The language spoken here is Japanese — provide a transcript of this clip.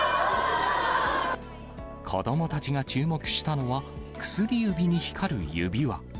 子どもたちが注目したのは、薬指に光る指輪。